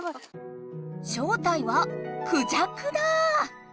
正体はクジャクだ！